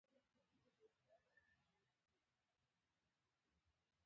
په هلمند کې د محکمې رئیس و.